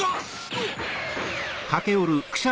うっ！